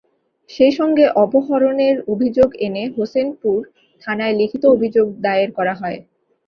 সেই সঙ্গে অপহরণের অভিযোগ এনে হোসেনপুর থানায় লিখিত অভিযোগ দায়ের করা হয়।